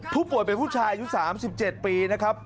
ผู้ป่วยเป็นผู้ชายอายุ๓๗ปีนะครับ